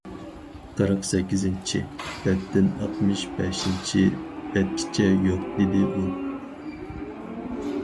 قىرىق سەككىزىنچى بەتتىن ئاتمىش بەشىنچى بەتكىچە يوق، -دېدى ئۇ.